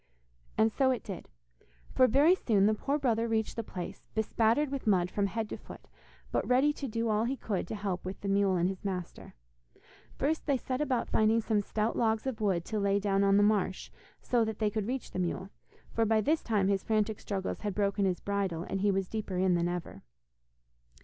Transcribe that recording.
And so it did, for very soon the poor brother reached the place, bespattered with mud from head to foot, but ready to do all he could to help with the mule and his master. First they set about finding some stout logs of wood to lay down on the marsh so that they could reach the mule, for by this time his frantic struggles had broken his bridle, and he was deeper in than ever.